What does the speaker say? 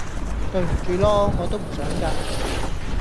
對唔住囉！我都唔想架